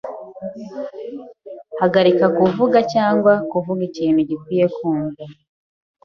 Hagarika kuvuga cyangwa kuvuga ikintu gikwiye kumva.